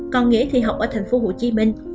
con nghĩa thì học ở thành phố hồ chí minh